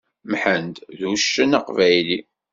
Mḥend d uccen aqbayli.